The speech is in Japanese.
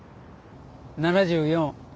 ７４。